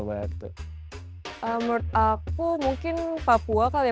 menurut aku mungkin papua kali ya